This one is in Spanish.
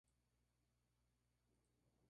Se vengó incendiando Sallent.